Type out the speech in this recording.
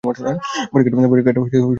পরীক্ষাটা ঠিকভাবে করা হয়েছিল না।